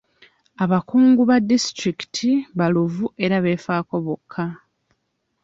Abakungu ba disitulikiti baluvu era beefaako bokka.